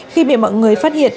khi bị mọi người phát hiện